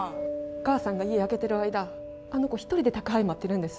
お母さんが家空けてる間あの子一人で宅配待ってるんです。